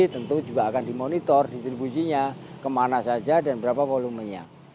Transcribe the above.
tentu juga akan dimonitor distribusinya kemana saja dan berapa volumenya